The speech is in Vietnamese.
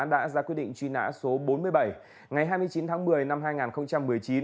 đã ra quyết định truy nã số bốn mươi bảy ngày hai mươi chín tháng một mươi năm hai nghìn một mươi chín